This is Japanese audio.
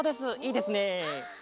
いいですね！